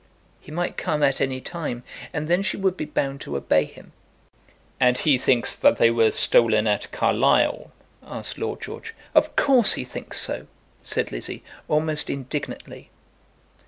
He might come at any time; and then she would be bound to obey him. "And he thinks that they were stolen at Carlisle?" asked Lord George. "Of course he thinks so," said Lizzie, almost indignantly.